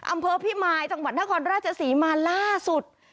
อำเภอพิมายจังหวัดนครราชศรีมาล่าสุด